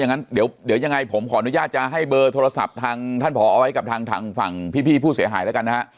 งั้นเดี๋ยวยังไงผมขออนุญาตจะให้เบอร์โทรศัพท์ทางท่านผอเอาไว้กับทางฝั่งพี่ผู้เสียหายแล้วกันนะฮะ